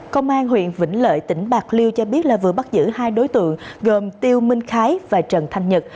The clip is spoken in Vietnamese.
công an huyện vĩnh lợi tỉnh bạc liêu cho biết là vừa bắt giữ hai đối tượng gồm tiêu minh khái và trần thanh nhật